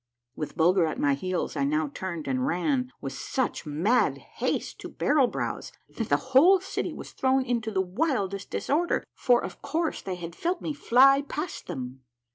With Bulger at my heels I now turned and ran with such mad haste to Barrel Brow's, that the whole city was thrown into the wildest disorder, for, of course, they had felt me fly past them.